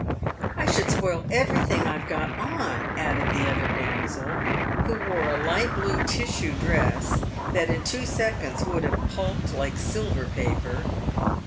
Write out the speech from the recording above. " I should spoil everything I've got on !" added the other damsel, who wore a light blue tissue dress, that in two seconds would have pulped like silver paper.